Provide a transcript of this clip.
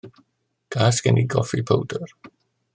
Gas gen i goffi powdr.